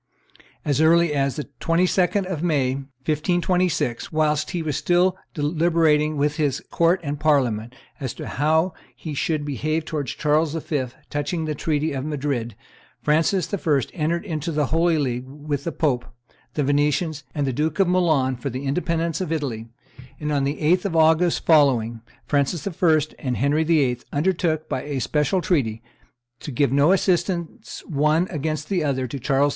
As early as the 22d of May, 1526, whilst he was still deliberating with his court and Parliament as to how he should behave towards Charles V. touching the treaty of Madrid, Francis I. entered into the Holy League with the pope, the Venetians, and the Duke of Milan for the independence of Italy; and on the 8th of August following Francis I. and Henry VIII. undertook, by a special treaty, to give no assistance one against the other to Charles V.